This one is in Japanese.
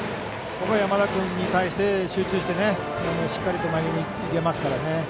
山田君に対して、集中してしっかりと投げにいけますから。